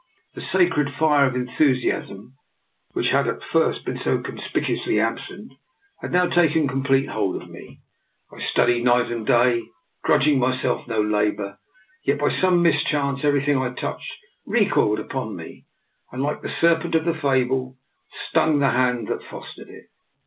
The sa cred fire of enthusiasm, which had at first been so conspicuously absent, had now taken complete hold of me; I studied night and day, grudging myself no labour, yet by some mischance everything I touched recoiled upon me, and, like the serpent of the fable, stung the hand that fostered it.